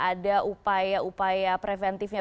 ada upaya upaya preventifnya